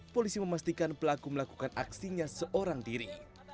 polisi memastikan pelaku melakukan aksinya seorang diri